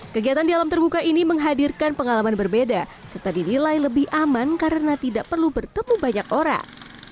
kegiatan di alam terbuka ini menghadirkan pengalaman berbeda serta dinilai lebih aman karena tidak perlu bertemu banyak orang